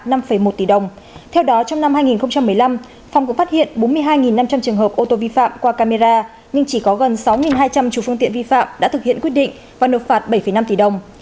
theo đó trong năm hai nghìn một mươi năm phòng cũng phát hiện bốn mươi hai năm trăm linh trường hợp ô tô vi phạm qua camera nhưng chỉ có gần sáu hai trăm linh chủ phương tiện vi phạm đã thực hiện quyết định và nộp phạt bảy năm tỷ đồng